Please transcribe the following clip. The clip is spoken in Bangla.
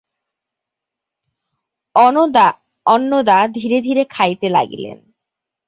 অন্নদা ধীরে ধীরে খাইতে লাগিলেন।